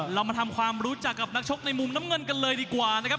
เรามาทำความรู้จักกับนักชกในมุมน้ำเงินกันเลยดีกว่านะครับ